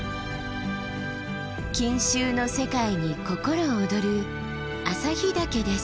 錦繍の世界に心躍る朝日岳です。